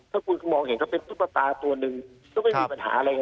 ถ้าคุณมองเห็นเขาเป็นตุ๊กตาตัวหนึ่งก็ไม่มีปัญหาอะไรไง